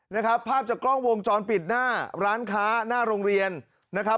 นะครับภาพจากกล้องวงจรปิดหน้าร้านค้าหน้าโรงเรียนนะครับ